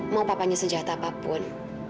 mau papanya sejahtera apapun